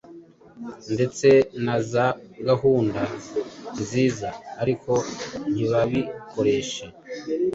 ndetse na za gahunda nziza ariko ntibabikoreshe?